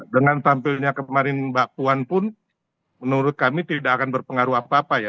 dengan tampilnya kemarin mbak puan pun menurut kami tidak akan berpengaruh apa apa ya